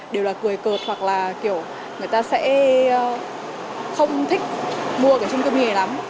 đều là cười cợt hoặc là kiểu người ta sẽ không thích mua cái trung cư mini này lắm